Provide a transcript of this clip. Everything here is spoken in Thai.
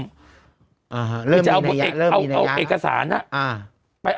ครับเริ่มมีนัยะ